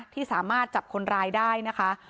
ที่สามารถจับคนร้ายได้นะคะ